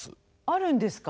あるんですか。